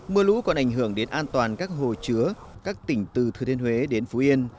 mưa lũ còn ảnh hưởng đến an toàn các hồ chứa các tỉnh từ thừa thiên huế đến phú yên